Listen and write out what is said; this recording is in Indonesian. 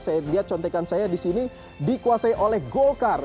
saya lihat contekan saya di sini dikuasai oleh golkar